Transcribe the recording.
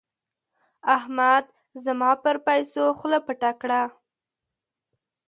احمد زما پر پيسو خوله پټه کړه.